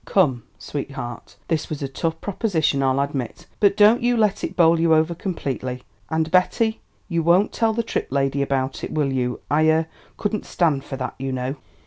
Come, sweetheart, this was a tough proposition, I'll admit, but don't you let it bowl you over completely. And, Betty, you won't tell the Tripp lady about it, will you? I er couldn't stand for that, you know."